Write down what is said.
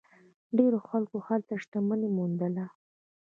ډیرو خلکو هلته شتمني وموندله.